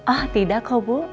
oh tidak kok bu